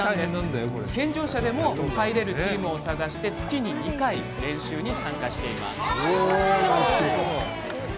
健常者でも入れるチームを探して月に２回、練習に参加しています。